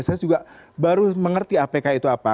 saya juga baru mengerti apk itu apa